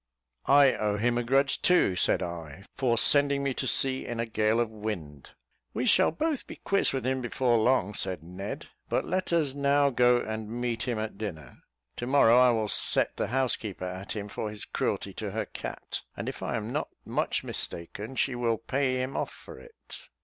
"I owe him a grudge too," said I, "for sending me to sea in a gale of wind." "We shall both be quits with him before long," said Ned; "but let us now go and meet him at dinner. To morrow I will set the housekeeper at him for his cruelty to her cat; and if I am not much mistaken, she will pay him off for it."